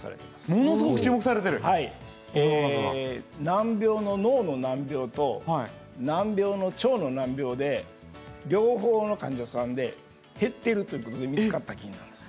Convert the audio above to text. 難病の脳の難病と難病の腸の難病で両方の患者さんで減ってるということで見つかった菌なんです。